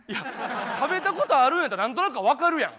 食べたことあるんやったら何となくは分かるやん。